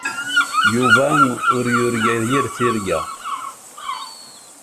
Yuba ur yurga yir tirga.